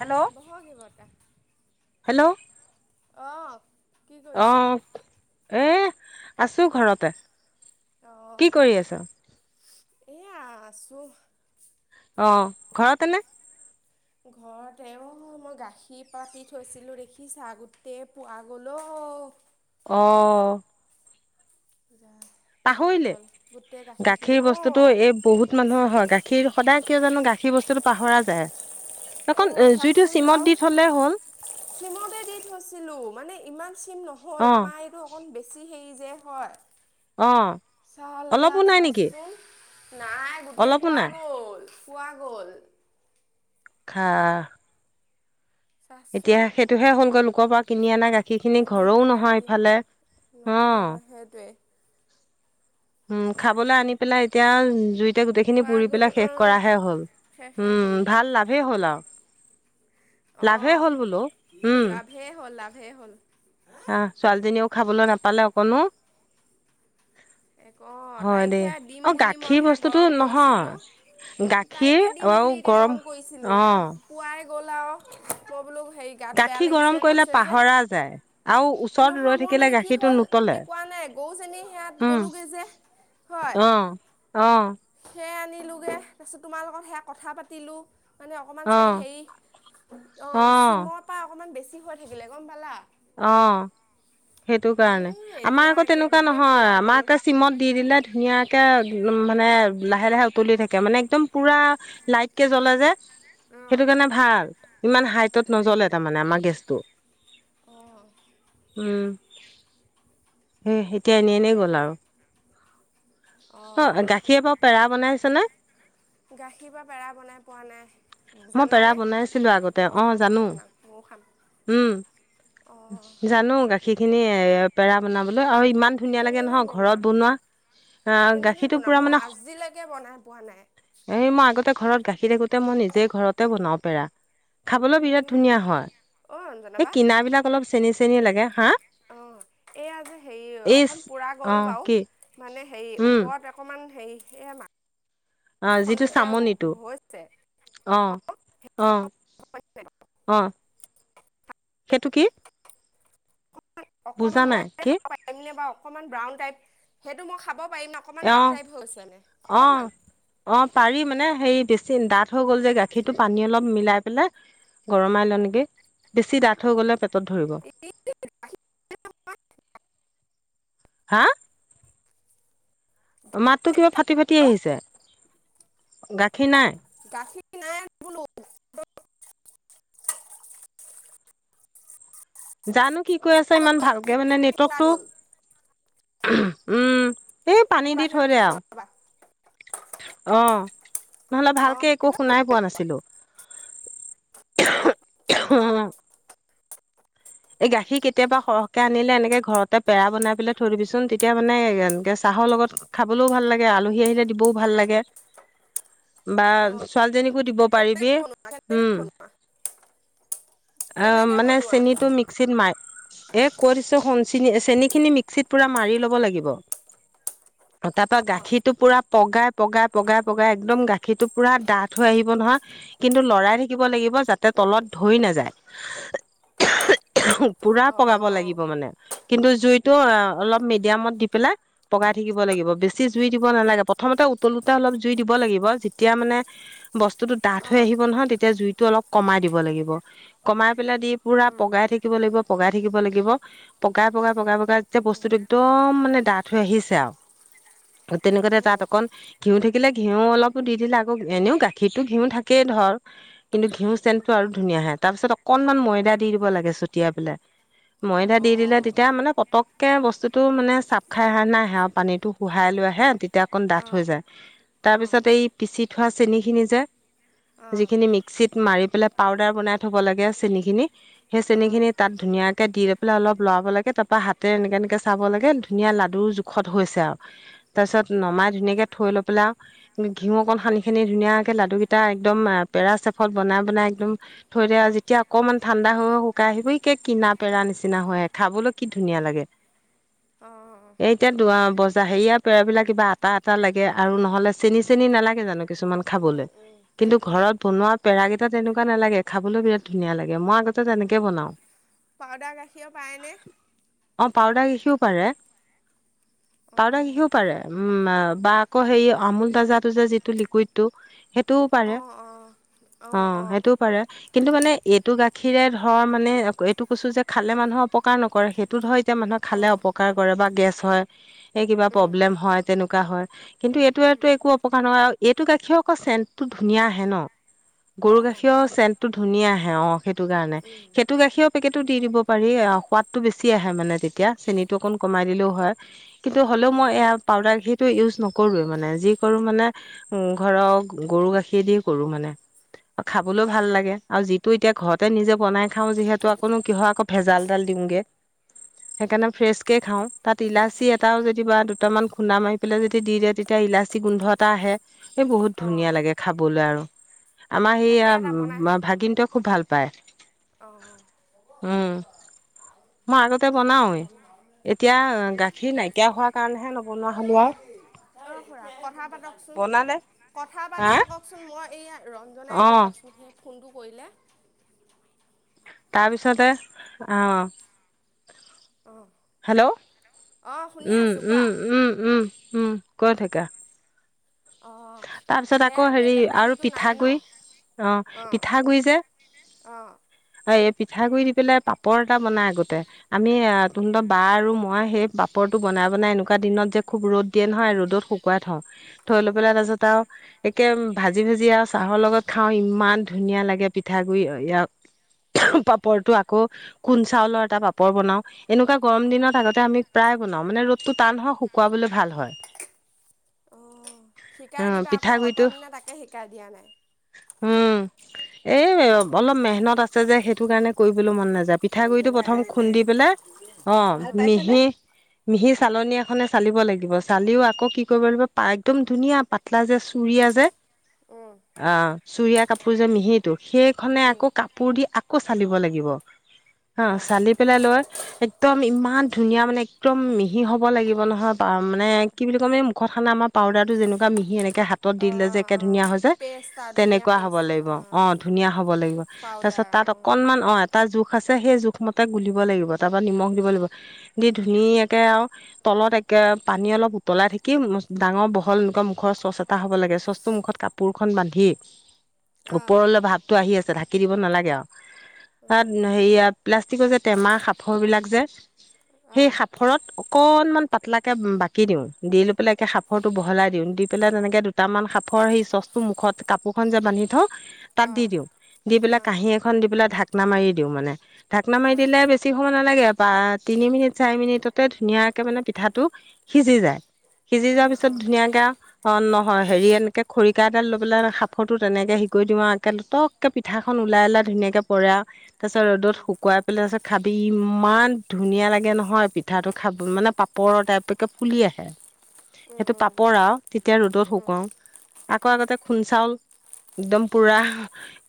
Hello. বহগিবটা [unintelligible] hello, অ'। আহ, এ, আছো ঘৰতে। কি অঁ কৰি আছ? এয়া আছো। অ', ঘৰতেনে? ঘৰতে এ, অ', মই গাখীৰ পাতি থৈছিলো দেখিছা গোটেই পোৱা গলো অ',। অ'। পাহৰিলে [inaudible] গাখীৰ বস্তুতটো অ' এই বহুত মানুহৰ হয় গাখীৰ সদায় কিয় জানো গাখীৰ বস্তুটো পাহৰা অ' যায় জুইটো চাচোন বাৰু চিমত দি থলে হ'ল চিমতে দি থৈছিলো, মানে ইমান চিম নহল অ আমাৰ এইটো অকন বেছি। সেই যে হয় অ চাললা অলপো নাই নেকি চাইচোন নাই গোটেই অলপো পোৰা নাই গ'ল, পোৰা গ'ল। খা এতিয়া চাচোন সেইটোহে হ'ল গৈ লোকৰ পৰা কিনি আনা গাখীৰ সেইখিনি কিনি ঘৰও অনা নহয় গাখীৰ ইফালে অ, '। নহয় সেইটোৱে উম, খাবলৈ আনি পেলাই এতিয়া জুইত এতিয়া গোটেইখিনি পোৱা পুৰি গ'ল পেলাই শেষ অঁ কৰাহে হ'ল। শেষে উম, কৰিলোঁ ভাল লাভেই হ'ল আৰু। লাভে অঁ হ'ল বোলো উম, লাভেই হ'ল লাভেই হ'ল হ ছোৱালীজনীয়েও খাবলৈ নাপালে অকনো এক অঁ হয়, তাইক দেই। সেয়া দিম অ, বুলি মই গাখীৰ সেয়া বস্তুতটো গৰম নহয় কৰিছিলোঁ গাখীৰ তাইকে দিম আৰু বুলি এতিয়া গৰম গম কৰিছিলো অ এ পুৱাই গ'ল আৰু মবোলো গাখীৰ গৰম কৰিলে পাহৰা যায় আৰু ওচৰত ৰৈ থাকিলে গাখীৰটো নুতলে। গৰু চেনি সেইয়া উম গলোগৈ যে হয় অ অ সেইয়া কিনিলোগে তাৰপিছত তোমাৰ লগত সেয়া কথা পাতিলো মানে অকমান অ চাগে হেৰি, অ',, চিমৰ পৰা অকমান বেছি হৈ থাকিলে গম পালা অ', সেইটো উম, কাৰণে আমাৰ এতিয়া আকৌ একে তেনেকুৱা গোটেই নহয় পুৰা গ'ল আমাৰ চিমত দি দিলে ধুনীয়াকে মানে এ লাহে লাহে উতলি থাকে মানে একদম পুৰা লাইট কে জ্বলে যে সেইটো অ'। কাৰণে ভাল ইমান হাইটত নজ্বলে তাৰমানে আমাৰ গেছটো অ'। উম। সেই এতিয়া এনেই এনেই গ'ল আৰু অ', গাখীৰে বাৰু পেৰা বনাইছ নে? গাখীৰৰ পৰা পেৰা বনাই পোৱা নাই। মই পেৰা জানানে বনাইছিলো আগতে অ চাহ জানো অকন বনাওক ময়ো খাম। উম। অ', জানো গাখীৰ খিনি এ পেৰা বনাবলৈ আও ইমান ধুনীয়া লাগে নহয় ঘৰত বনোৱা আহ কেনেকে গাখীৰটো বনাম পুৰা মই মানে আজিলৈকে বনাই পোৱা নাই এই মই আগতে ঘৰত গাখীৰ থাকোতে মই নিজে ঘৰতে বনাও পেৰা খাবলৈ বিৰাট কেনেকে ধুনীয়া বনোৱা? অ', অঞ্জনা হয় এই বা কিনাবিলাক অলপ চেনী চেনী লাগে হা অ এইয়া যে হেৰি এই অকন পুৰা অ গল বাও কি মানে হেৰি উম ওপৰত অকমান [unintelligible] আমাৰ অ' যিটো চামনিটো। হৈছে অ'! অ', অ', সেইটো কি? বুজা অকমান নাই মই কি খাব পাৰিম নে বাও, অকমান ব্ৰাউন টাইপ সেইটো মই খাব পাৰিম অকণমান ব্ৰাউন অ', টাইপ হৈছে মানে অকণমান অ', অ', পাৰি মানে হেৰি বেছি দাঠ হৈ গ'ল যে গাখীৰটো পানী অলপ মিলাই পেলাই গৰমাই ল' নেকি। বেছি ডাঠ হৈ গ'লে পেট ত'ত ধৰিব, হা? মাততো কিবা ফাটি ফাটি আহিছে গাখীৰ নাই। গাখীৰ নাই বোলো। [inaudible] জানো কি কৈ আছে, ইমান ভালকে মানে ওলাই গ'ল নেটৱৰ্কটো। উম! এই মই পানী দি বাহিৰত থৈ দে গৈছোঁ ৰ'বা আৰু। অ'! নহ'লে অঁ ভালকে একো সেইটো শুনাই পোৱা নাছিলো। অ'। এই গাখীৰ কেতিয়াবা সৰহকে আনিলে এনেকে ঘৰতে পেৰা বনাই পেলাই থৈ দিবিচোন। তেতিয়া মানে এনেকে চাহ হ লগত খাবলৈও ভাল লাগে, আলহী আহিলে দিবও ভাল লাগে। বা ছোৱালীজনীকো দিব কেনেকৈ পাৰিবি। বনোৱা কেনেকৈ উম, বনোৱা অ' কেনেকৈ মানে বনোৱা চেনিটো মিক্স ক্সিত মাৰ, এ কৈ দিছো শুন! চেনি চেনি খিনি মিক্সিত পুৰা মাৰি ল'ব লাগিব। তাৰ পৰা অঁ গাখীৰটো পুৰা পগাই পগাই পগাই পগাই একদম গাখীৰটো পুৰা ডাঠ হৈ আহিব নহয়, কিন্তু লৰাই থাকিব লাগি গিব, যাতে তলত ধৰি নাযায়। পুৰা অঁ পগাব লাগিব মানে, কিন্তু জুইটো অলপ মিডিয়ামত দি পেলাই পগাই থাকিব লাগিব, বেছি জুই দিব নালাগে। প্ৰথমতে উতলোতে অলপ জুই দিব লাগিব। যেতিয়া মানে বস্তু স্তুটো ডাঠ অঁ হৈ আহিব নহয় তেতিয়া জুইতো অলপ কমাই দিব লাগিব। কমাই পেলাই দি পুৰা অঁ পগাই থাকি কিব লাগিব পগাই থাকিব লাগিব পগাই পগাই পগাই পগাই যেতিয়া বস্তুতটো একদম মানে ডাঠ হৈ আহিছে আৰু। অ'। তেনেকুৱাতে তাত অকন ঘিউ থাকিলে ঘিউ অলপো দি দিলে আকৌ এনেও গাখীৰতো ঘিউ থাকেই। ধৰ কিন্তু ঘিউ চেন্ট টো আৰু ধুনীয়া আহে তাৰ পিছত অকনমান ময়দা দি দিব লাগে চতি [unintelligible] পেলাই ময়দা অঁ অঁ দি দিলে তেতিয়া মানে পটককে বস্তুটো মানে চাপ খাই আহা চাহ নিচিনা আহে, আৰু বনাইছে পানীটো শোহাই লৈ আহে। তেতিয়া অকণ ডাঠ অঁ হৈ যায়, তাৰ অঁ পিছত এই পিচি থোৱা চেনি খিনি যে। অঁ যিখিনি মিক্সিত মাৰি পেলাই পাউদ দাৰ বনাই থব লাগে চেনীখিনি হে চেনীখিনি তাত ধুনীয়াকৈ দি পেলাই অলপ লৰাব লাগে তাপা হাতে এনেকে এনেকে চাব লাগে ধুনীয়া লাডু জোখত হৈছে আও তাৰ পিছত নমাই ধুনীয়াকে থৈ লৈ পেলাই ঘিউ অকন সানি খিনি ধুনীয়াকে লাডুকেইটা একদম পেড়া চেপত বনাই বনাই একদম থৈ দে আও যেতিয়া অকনমান ঠাণ্ডা হৈ হৈ একে কিনা পেৰা অঁ নিচিনা হয় খাবলৈ কি ধুনীয়া লাগে অঁ অঁ এ এতিয়া বজাৰ হেৰিয়াৰ পেৰা বিলাক কিবা আটা আটা লাগে আৰু নহয় নহলে চেনি চেনি নালাগে জানো কিছুমান খাবলৈ অঁ কিন্তু ঘৰত বনোৱা পেৰা কেইটা তেনেকা নালাগে খাবলৈ বিৰাট ধুনীয়া লাগে মই আগতে তেনেকে বনাও পাউদাৰ গাখীৰ পায়নে অ পাউদাৰ গাখীৰো পাৰে পাউদাৰ গাখীৰ অঁ পাৰে উম বা আকৌ হে আমুল তাজাটো যে যিটো লিকুইড টো, সেইটোও পাৰে অঁ অঁ অ অঁ অঁ সেইটোও পাৰে কিন্তু মানে এইটো গাখীৰে ধৰ মানে এইটো কৈছো যে খালে মানুহৰ অপকাৰ নকৰে সেইটো ধৰ তেতিয়া মানুহে খালে অঁ অপকাৰ কৰে বা গেছ হয় এই কিবা উম প্ৰব্লেম হয় তেনেকুৱা হয়, কিন্তু এইটোটো একো অপকাৰ নহয় আৰু এইটো গাখীৰ আকৌ চেণ্টতটো ধুনীয়া আহে ন'। গৰু অঁ গাখীৰ ভাল চেণ্টটো ধুনীয়া আহে অ সেইটো কাৰণে উম সেটো গাখীৰ পেকেটো দি দিব পাৰি অ', সোৱাদটো বেছি আহে মানে তেতিয়া চেনিতটো অকণ কমাই দিলেও হয়। কিন্তু হ'লেও মই উম এয়া পাউদাৰ টো ইউজ নকৰোৱে মানে যি কৰো মানে উম ঘৰক গৰু গাখীৰ দি কৰো মানে খাবলৈও ভাল লাগে আৰু যিটো এতিয়া ঘৰতে নিজে বনাই খাওঁ যিহেতু আকৌনো কিহৰ আকৌ ভেজালডাল দিওঁগে। সেইকাৰণে ফ্ৰেচ কে খাওঁ তাত ইলাচি এটাও যদি বা দুটামান খুন্দা মাৰি পেলাই যদি দি দিয়ে তেতিয়া ইলাচি গোন্ধ এটা আহে এই বহুত ধুনীয়া অঁ লাগে খাবলৈ আৰু। আমাৰ তাকে এটা সেইয়া ভাগিনটোৱে খুব ভাল পায়। অ'। অ'। মই আগতে বনাওৱে এতিয়া গাখীৰ নাইকিয়া হোৱাৰ কাৰণেহে নবনোৱা হ'লো আৰু। কথা পাতকচোন বনালে কথা হা পাতি থাককচোন মই এয়া ৰঞ্জনাই অ এতিয়া দহ মিনিট ফোনটো কৰিলে তাৰপিছতে, অ'। অঁ হেল্ল' অঁ শুনি আছোঁ উম কোৱা উম উম উম কোৱা থাকা। অঁ তাৰপিছত আকৌ সেয়াই হেৰি বেলেগ আৰু কামটো নাই ন পিঠাগুড়ি অ', পিঠাগুৰি যে অ'। পিঠা গুৰি দি পেলাই পাপৰ এটা বনাই আগতে আমি তুহতৰ বা আৰু মই সেই পাপৰটো বনাই ব বানে এনেকুৱা দিনত যে খুব ৰ'দ দিয়ে নহয় ৰ'দত শুকুৱাই থওঁ থৈ ল পেলা উম তাৰ পিছত আৰু একে ভাজি ভাজি আৰু চাহৰ লগত খাও ইমান ধুনীয়া লাগে পিঠাগুড়ি। ইয়াৰ পাপৰটো আকৌ কোন চাউলৰ এটা পাপৰ বনাওঁ। এনেকুৱা গৰম অঁ দিনত আগতে আমি প্ৰায় বনাওঁ মানে ৰ'দতটো টান হ হয় শুকুৱালৈ ভাল হয়। অঁ অ শিকাই দিবা আকৌ পিঠাগুৰিটো অটদিনে তাকে শিকাই দিয়া নাই। এ অলপ মেহনত আছে যে সেইটো কাৰণে কৰিবলৈ মন নাযায় পিঠাগুড়িটো প্ৰথম খুন্দি পেলাই অ', অঁ মিহি। মিহি চালনী এখনে চালিব লাগিব চালিও আকৌ কি কৰিব লাগিব পাক একদম ধুনীয়া পাতলা যে চুুৰিয়া যে অ' চুুৰিয়া কাপোৰ যে মিহিটো। সেইখনে অঁ আকৌ কাপোৰ দি আকৌ চালিব লাগিব। অ অঁ চালি পেলাই লৈ একদম ইমান ধুনীয়া মানে একদম মিহি হ'ব লাগিব নহয় মানে কি বুলি ক'ম এই মুখত হানা আমা পাউদাৰো যেনেকুৱা মিহি এনেক হাতত দিলে যে অঁ একে অঁ ধুনীয়া হৈ যায় পেষ্ট আৰু ধুনীয়া তেনেকুৱা হ'ব পেষ্ট লাগিব অঁ অ', ধুনীয়া হ'ব লাগিব তাৰ পাউদাৰ তাত অঁ অকণমান অ', এটা জোখ জোখ আছে সেই জোখমতে গুলিব লাগিব তাৰ পৰা নিমখ দিব লাগিব, দি ধুনীয়াকে আৰু তলত কে পানী অলপ উতলাই থাকিম ডাঙৰ বহল এনেকুৱা মুখৰ চচ এটা হ'ব লাগে চচটো মুখত কাপোৰখন বান্ধি অঁ ওপৰলৈ ভাৱটো আহি আছে ঢাকি দিব নালাগে আৰু। তাত হেৰিয়া প্লাষ্টিকৰ যে টেমা সাফৰ বিলাক যে সেই অঁ সাফৰত অকনমান পাতলাকে বাকি দিও, দি লৈ পেলাই একে সাফ সাফৰটো বহলাই দিওঁ। দি পেলাই তেনেকে দুটামান সাফৰ সেই চচটো মুখত কাপোৰখন যে বান্ধি থওঁ তাত দি অঁ দিওঁ, দি পেলাই অঁ কাঁহী এখন দি পেলাই ঢাকনা মাৰি দিওঁ মানে ঢাকনা মাৰি অঁ দিলে বেছি সময় নালাগে আ বা তিনি মিনিট চাৰি মিনিটতে ধুনীয়াকে মানে পিঠাটো সিজি যায়। সিজি যোৱাৰ অঁ পিছত পিছত অঁ ধুনীয়াকে আও, অ', নহয় হেৰি এনেকে খৰিকা এডাল লৈ পেলাই সাঁফৰটো তেনেকে হেই কই দিওঁ আও এনে পটকে পিঠাখন ওলাই-ওলাই ধুনীয়াকে পৰে আৰু তাপিছত ৰ'দত শুকুৱাই পেলাই তাছত খাফ ইমান ধুনীয়া লাগে নহয় পিঠাটো খাব, মানে পাপৰৰ টাইপ একে ফুলি আহে। উম সেইটো উম পাপৰ আৰু তেতিয়া ৰ'দত উম শুকুৱাওঁ। আকৌ আগতে খুন চাউল একদম পুৰাহ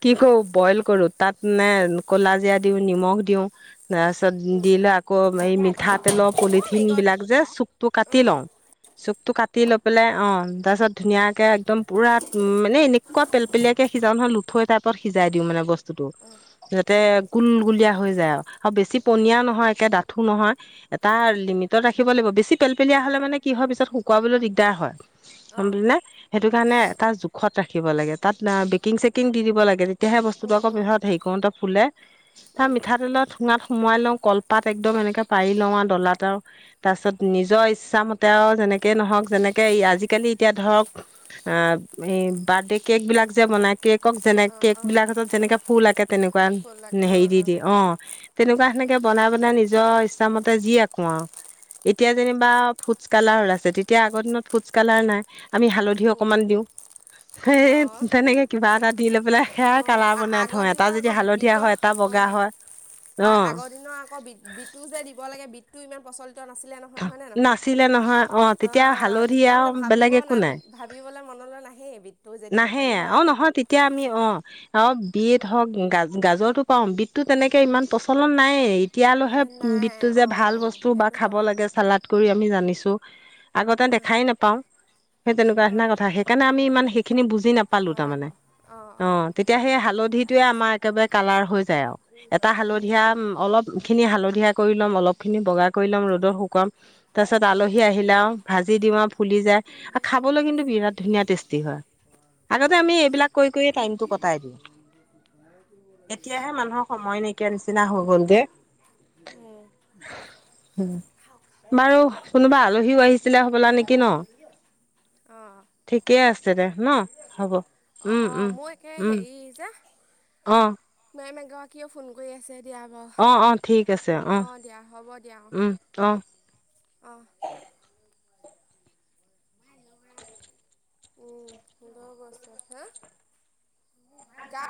কি কও, বইল কৰো, তাত নে কলাজিৰা দিও, নিমখ দিওঁ তাৰ পিছত দিলে আকৌ এই মিঠাতেলৰ পোলিত অ' মাই গড ঠিনবিলাক যে চুকটো কাটি অঁ লওঁ। চুক টো কাটি অঁ লৈ পেলাই অ', তাৰপিছত ধুনীয়াকে একদম পুৰা মানে এনেকুৱা পেলপেলিয়া কে সিজাও নহ লুঠৈ টাইপত খিজাই দিওঁ মানে বস্তুটো। অঁ যাতে অঁ গুলগুলিয়া হৈ যায় আও, আৰু বেছি পনি উম নিয়া নহয়, একে দাঠো নহয়, এটা লিমিটত ৰাখিব লাগিব। বেছি পেলপেলিয়া হ'লে মানে কি হয় পিছত শুক খোৱালৈ দিগদাৰ হয় গম অঁ পালি নে? সেইটো কাৰণে এটা জোখত ৰাখিব লাগে। তাত বেকিং-চেকিং দি দিব লাগে, তেতিয়াহে বস্তুটো উম আকৌ উম পিছত হেৰি কও [unintelligible] ফুলে তাৰ মিঠাতেলৰ ঠুঙাত সোমোৱাই লওঁ কলপাত একদম এনেকে পাৰি লওঁ আৰু ডলাত আৰু। তাছত নিজৰ ইচ্ছামতে আৰু যেনেক কে ন'হক, যেনেকে এই আজিকালি এতিয়া ধৰক আ, হেই, বাৰ্থডে কেক বিলাক যে বনাই কেকক, যেনে অঁ কেক অঁ বিলাকত যেনেকে ফুল আঁকে তেনেকুৱা ফুলাক নে অঁ হেৰি দি অঁ যিয়ে, অ', তেনেকুৱা সেনেকে এতিয়া বনাই বনাই নিজৰ ইচ্ছামতে যি আঁকো আৰু, এতিয়া যেনিবা ফুডচ কালাৰ ওলাইছে। যে তেতিয়া আগৰ দিনত ফুডচ কালাৰ নাই। আমি হালধি উম অকণমান দিওঁ। অঁ সেই তেনেকে কিবা এটা দি লৈ পেলাই সেয়া অঁ কালাৰ বনাই থওঁ, আগৰ দিনৰ এটা যদি হালধীয়া হয় এটা বগা হয়। অ আ-আগৰ দিনৰ আকৌ বি-বিতটো যে দিব লাগে বিতটো ইমান প্ৰচলিত নাছিলে নহয়। হয় নে নহয়? নাছিলে নহয় অ তেতিয়া অ', হালধি তেতিয়া আৰু মানে ভাবিব বেলেগ একো নাই না-ভাবিবলৈ মনলৈ নাহেই এবিধ নাহে। অ', নহয়, তেতিয়া আমি অ' অ', বিত হওঁক গাজ-গাজৰটো কম বিতটো তেনেকে ইমান প্ৰচলন নায়েই। তিয়ালৈহে না নাই বিতটো যে ভাল অঁ বস্তু বা সেইটো খাব হয় আকৌ লাগে চালাদ কৰি আমি জানিছো। আগতে অঁ দেখাই নাপাওঁ, সেই তেনেকুৱা নিচিনা অঁ কথা। সেইকাৰণে আমি ইমান শিক্ষ খিনি বুজি নাপালো হয় তাৰমানে। আকৌ অঁ অ' অঁ তেতিয়া সেই হালধিটোৱে আমাৰ একেবাৰে কালাৰ হৈ যায় আও এটা হালধীয়া উম অলপ ইখিনি হালধীয়া কৰি লম, অলপ খিনি বগা কৰি ল'ম। ৰ'দৰ শুকোৱাম, তাৰ পিছত অঁ আলহী আহিলে আও ভাজি দিওঁ আৰু ফুলি যায় আৰু খাবলৈ কিন্তু বিৰাট ধুনীয়া টেষ্টি হয়। আগতে আমি এইবিলাক কৈ কৈয়ে টাইমটো কটাই দিওঁ। এতিয়াহে মানুহৰ সময় নাইকিয়া নিচিনা হৈ গ'ল গে। উম বাৰু কোনোবা আলহীও আহিছ আছিলে হ'বলা নেকি ন? অঁ ঠিকেই আছে দে। ন, হ'ব। উম, অঁ উম, মোৰ একে উম, হেৰি যে অ'। মেম এগৰাকীয়ে ফোন কৰি আছে দিয়া বাৰু অ', অ', ঠিক আছে। অ', অঁ দিয়া উম, অ'। অ'। [inaudible] উম, লৈ গৈছে হা, গাত